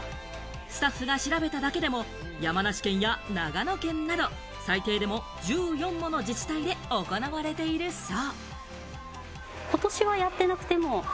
スタッフが調べただけでも山梨県や長野県など最低でも１４もの自治体で行われているそう。